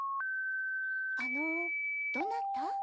あのどなた？